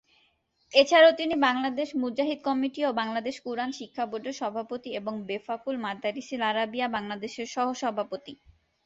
এছাড়াও তিনি বাংলাদেশ মুজাহিদ কমিটি ও বাংলাদেশ কুরআন শিক্ষা বোর্ডের সভাপতি এবং বেফাকুল মাদারিসিল আরাবিয়া বাংলাদেশের সহ-সভাপতি।